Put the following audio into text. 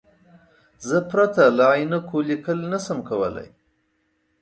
زه پرته له عینکو لیکل نشم کولای.